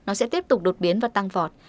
nó sẽ tiếp tục đột biến và tăng vọt